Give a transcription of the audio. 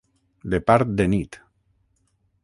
De part de nit.